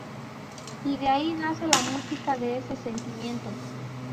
Y de ahí nace la música, de ese sentimiento"".